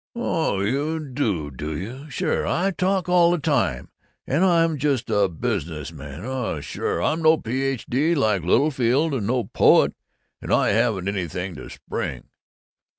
"Oh, you do, do you! Sure! I talk all the time! And I'm just a business man oh sure! I'm no Ph.D. like Littlefield, and no poet, and I haven't anything to spring!